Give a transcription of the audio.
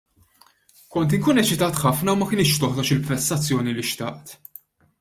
Kont inkun eċitat ħafna u ma kinitx toħroġ il-prestazzjoni li xtaqt.